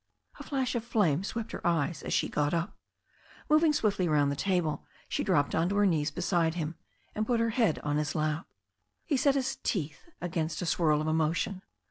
A flash of flame swept her eyes as she got up. Mov ing swiftly rovmd the table she dropped on to her knees beside him, and put her head on his lap. He set his teeth against a swirl of emotion.